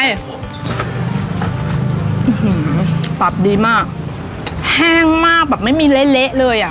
ปรับดีมากแห้งมากแบบไม่มีเละเละเลยอ่ะ